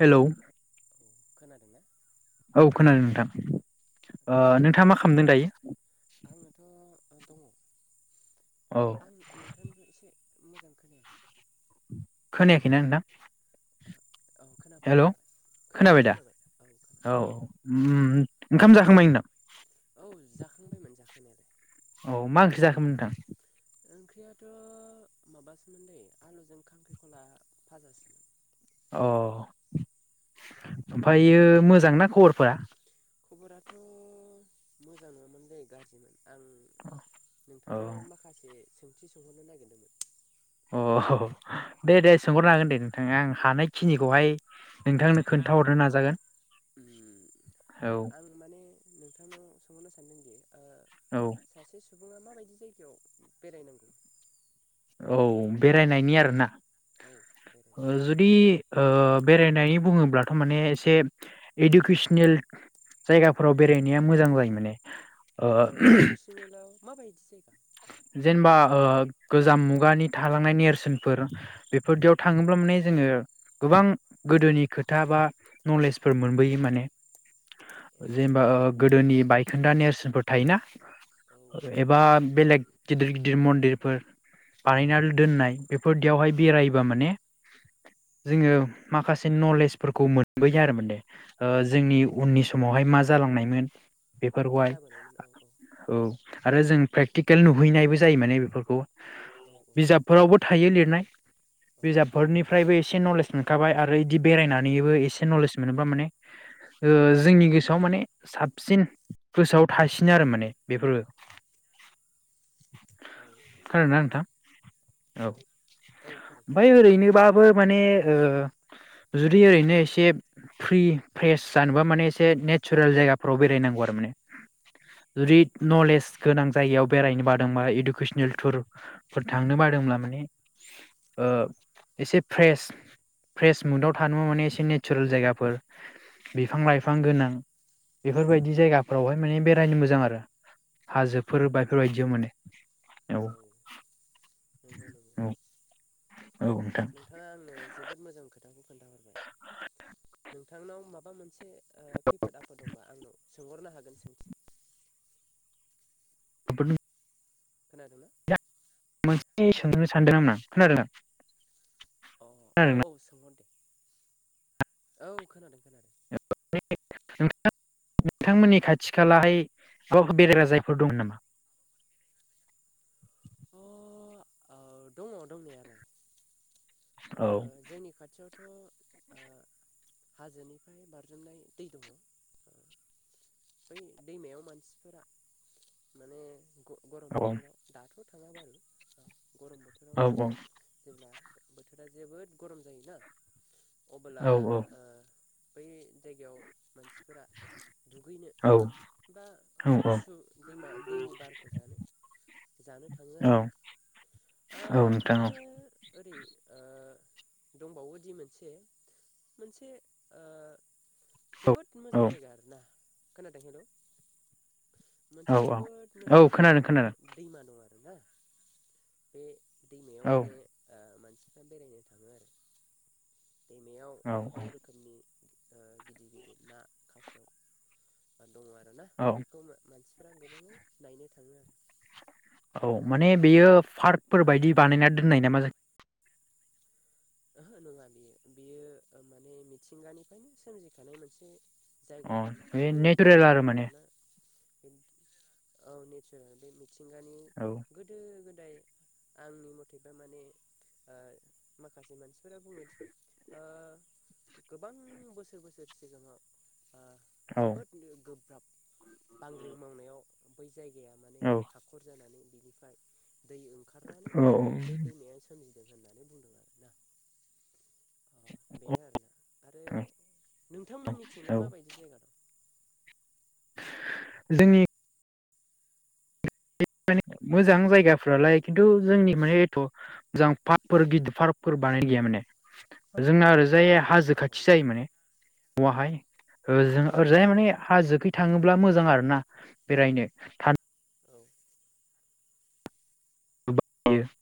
Hello. औ खोनादों ना? औ खोनादों नोंथां। ओ आदसा आं नोंथाङा मा खालामदों दायो? आंनोथ' ओ दङ। औ आं नोंथांनिखौ एसे मोजां खोनायाखै। खोनायाखैना नोंथां? ओ औ खोनाबाय हेल' खोनाबाय खोनाबाय दा औ खोनाबाय उम ओंखाम जाखांबाय होनदां। औ जाखांबायमोन जाखांनायालाय। औ [unintelligible] ओंख्रियाथ' माबासोमोन दैै आलुजों खांख्रिखला फाजासोमोन। अ ओमफ्रायो मोजां ना खबरफोरा? खबराथ' मोजां नङामोन दै गाज्रिमोन। आं औ नोंथांनाव माखासे सोंथि सोंहरनो नागिरदोंमोन। अ दे दे सोंहरनो हागोन दे नोंथां आं हानायखिनिखौहाय नोंथांनो नोंथां खोन्थाहरनो नाजागोन औ आं माने नोंथांनाव सोंहरनो सानदों। औ सासे सुबुङा माबायदि जायगायाव बेरायनांगौ? औ बेरायनायनि आरोना। औ बेरायनाय जुदि ओ बेरायनाय बुङोब्लाथ' माने एसे इडुकेसनेल जायगाफोराव बेरायनाया मोजां जायो माने। ओ इडुकेसनेलाव माबायदि जायो। जेनेबा ओ गोजाम मुगानि थालांनाय नेरसोनफोर अ बेफोरदियाव थाङोब्ला माने जोङो गोबां गोदोनि खोथा बा नलेजफोर मोनबोयो माने औ जेनेबा गोदोनि बायखोन्दा नेरसोनफोर थायोना औ एबा बेलेग गिदिर गिदिर मन्दिरफोर बानायनानै दोननाय बेफोरदियावहाय बेरबा माने जोङो माखासे नलेजफोरखौ मोनबोयो आरो माने ओ जोंनि उननि समावहाय मा जालांनायमोन। मा बेफोरखौहाय जाबोनायमोन औ औ। आरो जों फ्रे टिकेल नुहैनायबो जायो माने बेफोरखौ बिजाबफोरावबो थायो लिरनाय औ बिजाबफोरनिफ्राय बो एसे नलेज मोनखाबाय आरो बिदि बेरायनानैबो एसे नलेज मोनोब्ला माने ओ जोंनि गोसोआव माने साबसिन गोसोआव थासिनो आरो माने बेफोरो औ खोनादों ना नोंथां औ। औ खोनादों ओमफ्राय खोनादों ओरैनोबाबो माने ओ जुदि ओरैनो एसे फ्रि फ्रेस जानोबा माने एसे नेचारेल जायगाव बेरायनांगौ आरो माने औ जुदि नलेज गोनां जायगायाव बेरायनो बादोंबा इडुकेसनेल थुरफोर थांनो बादोंब्ला माने ओ एसे फ्रेस फ्रेस मुदाव थानो बामाने एसे नेचारेल जायगाफोर बिफां लाइफां गोनां बेफोरबायदि जायगाफोरावहाय माने बेरायनो मोजां आरो हाजोफोर उम बाय बायदियाव माने। औ नंगौ नंगौ। औ औ नोंथां नोंथाङा आंनो जोबोद मोजां खोथा [inaudible] नोंथांनाव माबा मोनसे खैफोद आफोद दंबा आंनाव सोंहरनो हागोन सोंथि [unintelligible] खोनादों ना मोनसे सोंनो सानदोंमोन आं खोनादोंदा अ औ औ सोंहर दे औ खोनादों खोनादों नोंथांमोननि खाथि खालाहाय गाव बेरायग्रा जायफोर दं नामा? अ औ दङ दंनायालाय औ थ' ओ हाजोनिफ्राय बारजोमनाय दै दङ बै दैमायाव मानसिफोरा माने ग गरम औ बोथोराव दाथ' थाङा बारु गरम बोथोराव औ माने औ जेब्ला बोथोरा जोबोद गरम जायोना? अबोला औ ओ बै जायगायाव मानसिफोरा दुगैनो औ बा गुसु दैमा दैनि बारखौ जानो जानो थाङो औ आरो ना ओ औ नोंथां आरो औ ओरै ओ दंबावो जि मोनसे मोनसे ओ जोबोद मोजां औ जायगा आरोना खोनादों हेलौ औ मोनसे जोबोद औ मोजां खोनादों माने खोनादों दैमा दं आरो ना बे दैमायाव औ माने ओ माने दा बेेरायनो थांङो आरो दैमायाव औ गोबां रोखोमनि ओ गिदिर गिदिर ना खासेयाव दङ आरो ना औ बेखौ मा-मानसिफोरा गोबाङै नायनो थाङोआरो औ माने बेयो पार्कफोर बायदि बानायना दोननाय नामा जाख ओहो नङा बियो बेयो ओ माने मिथिंगानिफ्राय सोमजिखानाय मोनसे जायगा अ आरो ना बे माने नेचारेल आरो दैमाया माने आरोना औ नेचारेल बे मोनसे मिथिंगानि औ गोदो गोद दाय आंनि मथेबा माने ओ माख माखासे मानसिफोरा बुङोदि ओ गोबां बोसोर बोसोर सिगाङाव आ औ जोबोदनि गोब्राब बांग्रिं मावनायाव बै जायगाया माने औ हाखर जानानै बिनिफ्राय दै ओंखारनानै औ औ बे दैमाया सोमजि अ बेनो आरोना आरो औ नोंथांमोननिथिंलाय माबायदि जायगा दं जोंनि माने मोजां जायगाफ्रालाय खिन्थु जोंनि माने एथ मोजां पार्कफोर गिदिर पार्कफोर बानायनाय गैया माने जोंना ओरैजाय हाजो औ खाथि जायो माने नवाहाय ओ जों औ ओरैजाय माने हाजो खै थाङोब्ला मोजां आरोना बेरायनो था औ [unintelligible]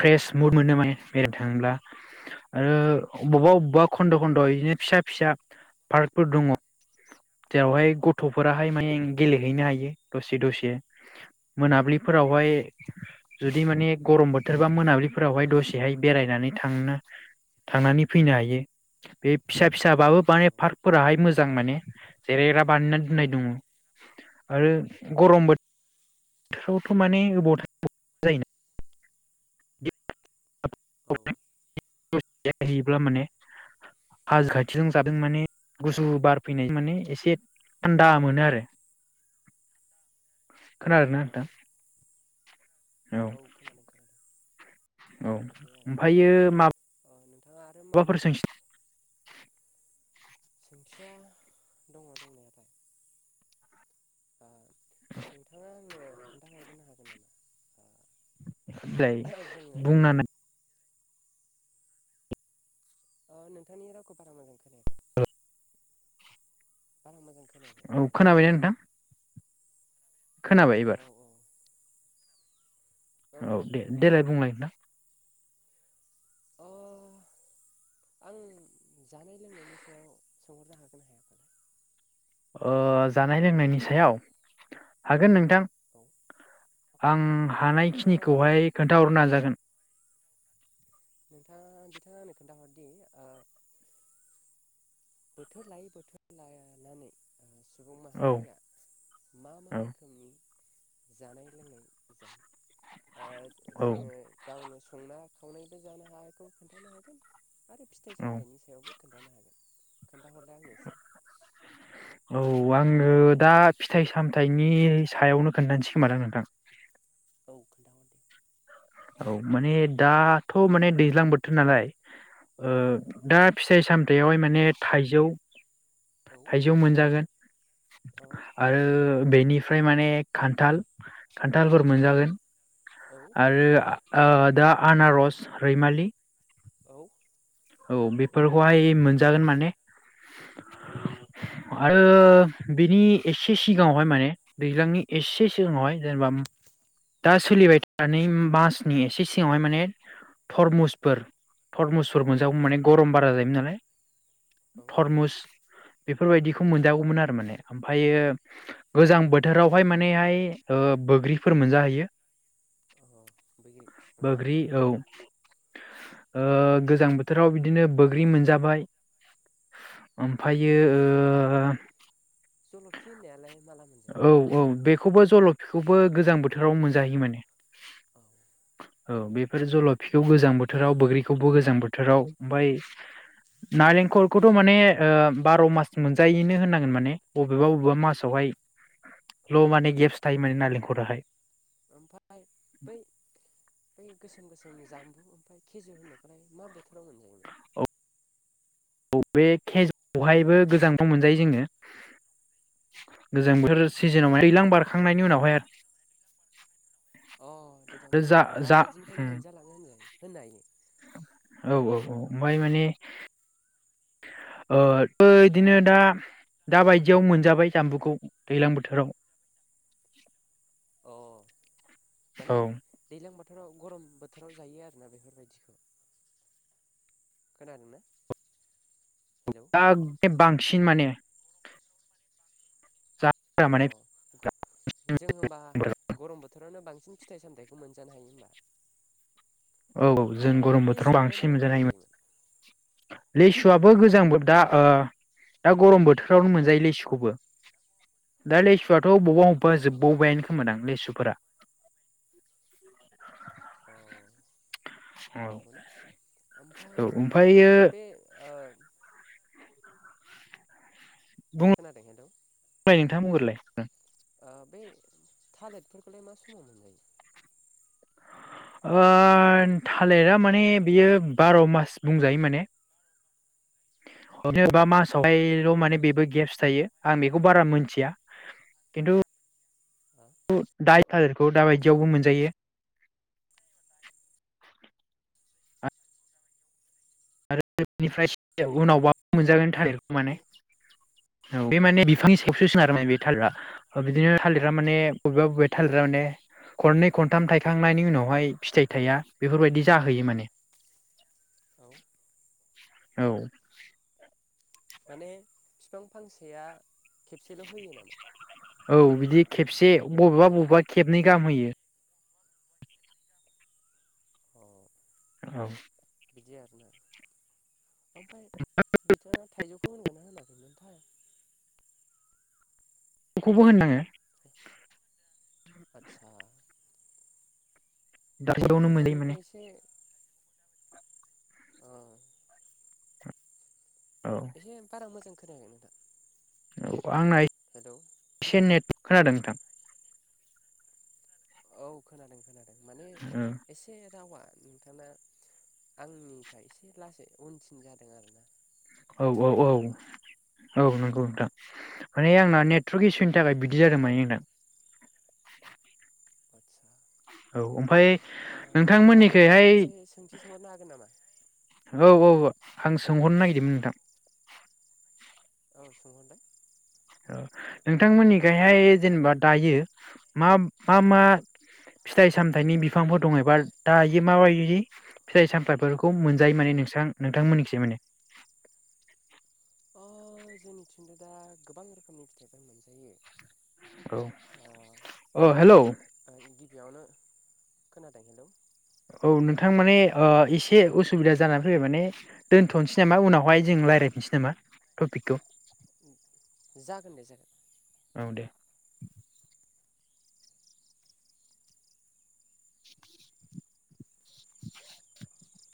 फ्रेस औ मुद मोनो माने बेरायनो थाङोब्ला ओ अबावबा अबावबा खन्द खन्द औ इदिनो फिसा फिसा पार्कफोर दङ जेरावहाय गथफोराहाय माने गेलेहैनो हायो दसे दसे मोनाबिलिफोरावहाय जुदि माने गरम बोथोरबा मोनाबिलिफोरावहाय दसेहाय बेरायनानै थांनो थांनानै फैनो हायो बे फिसा फिसाबाबो माने पार्कफोराहाय मोजां माने। जेरायग्रा बानायना दोननाय दङ आरो गरम बो थोरावथ माने [inaudible] जायोना औ [unintelligible] योब्ला माने हाजो खाथिजों जादों माने गुसु बार फैनाय माने एसे थान्दा मोनो आरो खोनादोंना औ नोंथां? औ खोनादों खोनादों औ बिदि आरोना ओमफायो माब अ नोंथाङा आरो मा यो सोंथिया दङ दंनायालाय नोंथाङा आंनो खोन्थाहरग्रोनो हागोन नामा सोंसिलाय जोङो बुंनानै ओ नोंथांनि रावखौ बारा मोजां खोनायाखै बारा मोजां खो औ खोनाबायना नोंथां? खोनाबाय एबार औ औ औ दे देलाय बुंलाय नोंथां अ आं जानाय लोंनायनि सायाव सोंहरनो हागोन ना हायाफालाय? अ जानाय लोंनायनि सायाव हागोन नों थां औ आं अ हानायखिनिखौहाय खोन्थाहरनो नाजा गोन नोंथाङा बिथाङा आंनो खोन्थाहरदि ओ बोथोर लायै बोथोर लायानानै सुबुं औ माहारिया मा मा औ रोखोमनि जानाय लोंनाय जायो ओ औ जोङो गावनो संना खावनानैबो जानो हागौ खोन्थानो हागोन आरो फिथाइ औ सामथाइनि सायावबो खोन्थानो हागोन खोन्था हरदो आंनो इसे औ आङो दा फिथाइ सामथायाइनि सायावनो खोन्थानोसै खोमो ना नोंथां औ खोन्थाहर दे औ माने दाथ' माने दैज्लां बोथोर नालाय औ दा फिथाइ साम बेवहाय माने थाइजौ औ थाइजौ मोनजागोन औ आरो बेनि फ्राय माने खान्थाल खान्थालफोर औ मोनजागोन औ आरो दा आनारस रैमालि औ औ बेफोरखौहाय मोनजागोन माने आ बिनि एसे सिगाङावहाय माने दैज्लांनि एसे सिगाङावहाय जेनेबा दा सोलिबाय थानाय मासनि एसे सिगावहाय माने थरमुसफोर थरमुसफोर औ मोनजागौ मानेम गरम बारा जायो नालाय औ थरमुस बेफोरबायदिखौ मोनजागौमोन आरो माने ओमफ्रायो गोजां बोथोरावहाय मानेहाय बैग्रिफोर मोनजाहै यो अ बैग्रि ओमफ्राय बैग्रि औ गोजां बोथोराव बिदिनो बैग्रि मोनजाबाय ओमफ्रायो जल'फि होननायालाय माला मोनजायो औ औ बेखौबो जल'फिखौबो गोजां बोथोराव मोनजायो मोन औ औ बेफोर जलफिखौ गोजां बोथोराव बोग्रिखौबो गोजां बोथोराव ओमफ्राय नालेंखलखौथ' माने बार' मास मोनजायैनो होनांगोन माने बबेबा बबेबा मासावहाय ल' माने गेब्स थायो माने नारेंखराहाय [inaudible] ओमफ्राय बै बै गोसोम गोसोम जामबु ओमफ्राय खेजुर होननायखौलाय मा बोथोराव मोन औ औ बे खेजुरखौहायबो गोजां बोथोराव मोनजायो जोङो गोजां बोथोर सिजिनाव बोथोराव दैलां मोनजायोमोन ना बारखांनायनि उनावहाय आरो [inaudible] अ दे दा माने जा दा जा बायदिनिफ्रायनो मोनजालाङो होनजायो होननो हायो मै माने इदिनो दा दाबायदियाव मोनजाबाय जामबुखौ दैज्लां बोथोराव अ माने औ दैलां बो थोराव गरम बोथोराव जायो आरोना बेफोरबायदिखौ खोनादोंना हेलौ दा बांसिन माने जाग्रा अ माने जों होनबा गरम बोथोरावनो बां सिनि फिथाइ सामथायखौ मोनजानो हायो होमबा। औ जों ओमफ्राय गरम बोथोराव लिसुखौलाय बांसिन मालाथो मोनजानो मोनजायोमोन हायोमोन लेसुआबो गोजांबो दा दा गरम बोथोरावनो मोनजायो लिसुखौबो दा लेसुआ ब' बबाबा अ जोबबावबायानो खोमोन आ लेस फोरा औ औ ओमफ्राय औ ओमफ्रायो बे ओ खोनादों हेल' थाङा मबेल लायो उम बे थालिरफोरखौलाय मा समाव मोनलायो ओ थालिरा माने बियो बार' मास बुंजायो माने बा मासावहायल' माने बेबो गेप्स थायो आं बेखौ बारा मोनथिया खिन्थु ओ दा थालेरखौ दाबायदियावबो मोनजायो। आरो बेनिफ्राय ओ उनावबो मोनजागोन थायो माने औ बे माने बिफांनि सेबस'सोन आरो माने बे थालिरा बिदिनो थालिरा माने बबेबा बबेबा थालिरा माने खरनै खनथाम थायखांनायनि उनावहाय फिथाइ थाया बेफोरबायदि जाहैयो माने औ औ औ। माने फिफां फांसेया खेबसेल' होयो नामा? औ बिदि खे से बबेबा हेलौ बबेबा खेबनै गाम होयो। औ औ बिदि आरो ना ओमफ्राय बिथाङा थाइजौ खौ होनगोनना होनाखैमोनथाय बेखौबो होननाङो। आचसा दावनो मोनलै नोंथांनिखौ माने एसे ओ औ एसे बारा मोजां खो खोनायाखै नोंथां औ आंना हेलौ एसे नेट खोनादों नोंथां। औ खोनादों खोनादों। माने एसे रावा नोंथाङा आंनिफ्राय एसे लासै उनसिन जादों आरो ना औ औ औ औ नंगौ नोंथां माने आंना नेटवर्क इसुनि थाखाय अ बिदि जादों माने नोंथां। आदसा औ ओमफाय अ नोंथाङा आंनाव माबा मोनसे सोंथि सोंहरनो हागोन नामा? अ आं सोंहरनो नागिरदोंमोन नोंथां। औ सोंहरलाय? ओ नोंथांमोननिखायहाय जेनेबा दायो माम मा मा फिथाइ सामथाइनि बिफांफोर दङ एबा दायो माबायदि फिथाइ सामथाइफोरखौ मोनजायो माने नोंसां नोंथांमोनखिजा माने अ जोंनिथिंबो दा गोबां रोखोमनि फिथाइफोर मोनजायो। औ ओ औ हेल' गिबियावनो खोनादों हेल' औ नोंथां माने ओ एसे उसुबिदा जानानै फैबाय माने दोनथ'नोसै नामा उनावहाय जों लायरायफिनसै नामा टपिकखौ? जागोन दे जागोन। औ दे [inaudible] [inaudible]